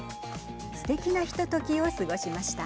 すてきなひとときを過ごしました。